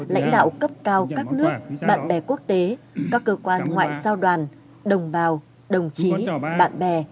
lãnh đạo cấp cao các nước bạn bè quốc tế các cơ quan ngoại giao đoàn đồng bào đồng chí bạn bè